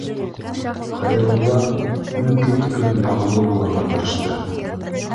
Хәйрулла мөмкин тиклем яғымлы булырға тырышты